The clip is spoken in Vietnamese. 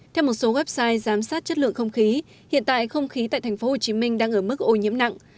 theo một số website giám sát chất lượng không khí hiện tại không khí tại tp hcm đang ở mức ô nhiễm nặng